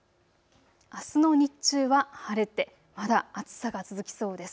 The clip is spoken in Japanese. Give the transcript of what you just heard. あすの日中は晴れてまだ暑さが続きそうです。